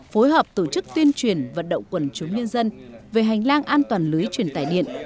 phối hợp tổ chức tuyên truyền vận động quần chúng nhân dân về hành lang an toàn lưới truyền tải điện